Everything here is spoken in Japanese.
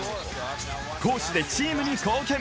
攻守でチームに貢献。